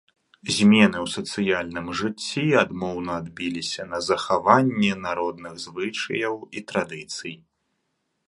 Змены ў сацыяльным жыцці адмоўна адбіліся на захаванні народных звычаяў і традыцый.